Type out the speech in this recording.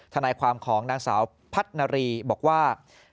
ทนายความของนางสาวพัฒนารีบอกว่า